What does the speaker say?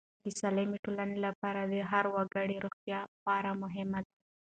د سالمې ټولنې لپاره د هر وګړي روغتیا خورا مهمه ده.